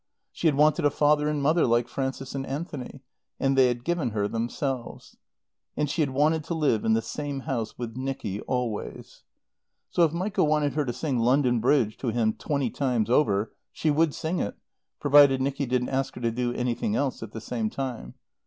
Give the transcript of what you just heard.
She had wanted a father and mother like Frances and Anthony; and they had given her themselves. And she had wanted to live in the same house with Nicky always. So if Michael wanted her to sing "London Bridge" to him twenty times over, she would sing it, provided Nicky didn't ask her to do anything else at the same time.